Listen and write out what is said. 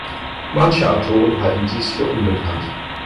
Manche Autoren halten dieses für unbekannt.